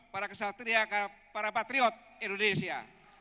para kesatria para patriot indonesia